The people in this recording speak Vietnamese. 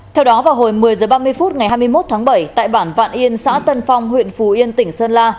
theo đó vào hồi một mươi h ba mươi phút ngày hai mươi một tháng bảy tại bản vạn yên xã tân phong huyện phù yên tỉnh sơn la